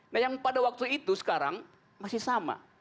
nah yang pada waktu itu sekarang masih sama